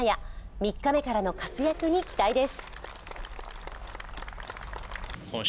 ３日目からの活躍に期待です。